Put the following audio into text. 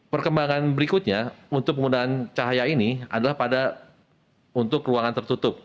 perkembangan berikutnya untuk penggunaan cahaya ini adalah pada untuk ruangan tertutup